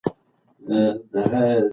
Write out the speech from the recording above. تعصب د باور ماتې سبب کېږي